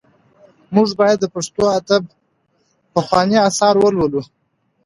موږ باید د پښتو ادب پخواني اثار ولولو.